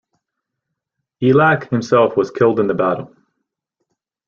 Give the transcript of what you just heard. Ellac himself was killed in the battle.